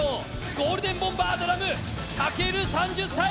ゴールデンボンバードラム武尊３０歳！